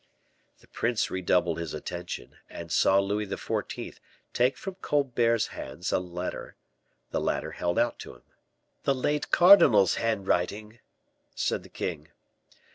The prince redoubled his attention, and saw Louis XIV. take from Colbert's hands a letter the latter held out to him. "The late cardinal's handwriting," said the king.